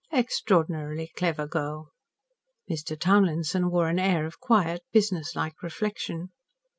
Extraordinarily clever girl. Mr. Townlinson wore an air of quiet, business like reflection.